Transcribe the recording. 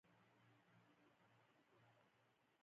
او دې باره کښې دَ ډيرو